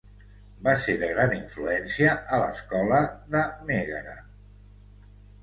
Va ser de gran influència a l'escola de Mègara.